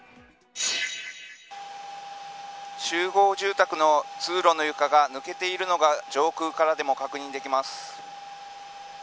集合住宅の通路の床が抜けているのが上空からでも確認できます。